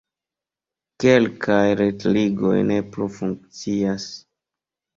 Kelkaj retligoj ne plu funkcias.